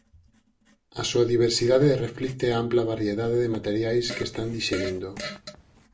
A súa diversidade reflicte a ampla variedade de materiais que están dixerindo.